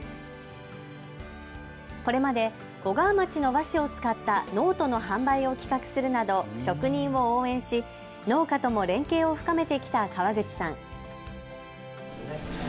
これまで小川町の和紙を使ったノートの販売を企画するなど職人を応援し農家とも連携を深めてきた川口さん。